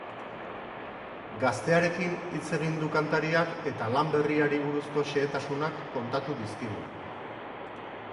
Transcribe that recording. Gaztearekin hitz egin du kantariak eta lan berriari buruzko xehetasunak kontatu dizkigu.